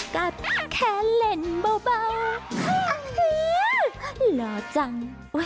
การแคลนเบาหื้อหล่อจัง